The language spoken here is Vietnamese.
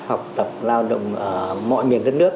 học tập lao động ở mọi miền đất nước